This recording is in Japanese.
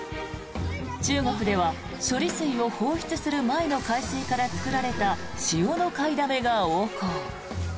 中国では処理水を放出する前の海水から作られた塩の買いだめが横行。